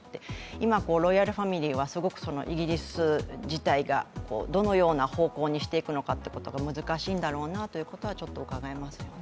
今、ロイヤルファミリーはすごくイギリス自体がどのような方向にしていくのかっていうのが難しいんだろうなということはちょっとうかがえますよね。